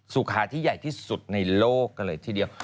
สุขาที่ใหญ่ที่สุดในโลกกันเลยทีเดียว